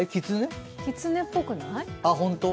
きつねっぽくない？